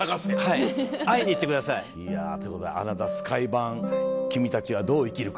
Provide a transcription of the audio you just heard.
はい会いに行ってください。ということで『アナザースカイ』版『君たちはどう生きるか』